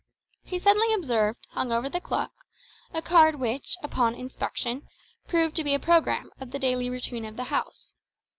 He suddenly observed, hung over the clock, a card which, upon inspection, proved to be a programme of the daily routine of the house.